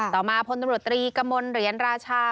ต่อมาพลตำรวจตรีกมลเหรียญราชา